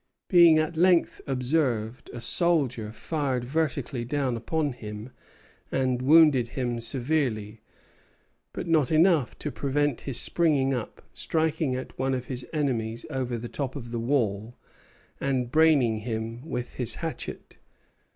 Being at length observed, a soldier fired vertically down upon him and wounded him severely, but not enough to prevent his springing up, striking at one of his enemies over the top of the wall, and braining him with his hatchet.